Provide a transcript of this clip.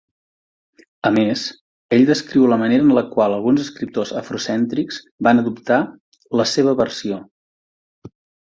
A més, ell descriu la manera en la qual alguns escriptors afrocèntrics van adoptar "la seva versió".